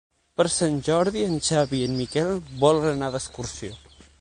Per Sant Jordi en Xavi i en Miquel volen anar d'excursió.